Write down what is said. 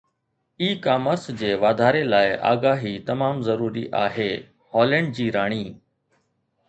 اي commerce جي واڌاري لاءِ آگاهي تمام ضروري آهي، هالينڊ جي راڻي